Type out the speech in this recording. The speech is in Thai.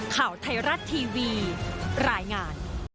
ข่าวไทยรัฐทีวีรายงาน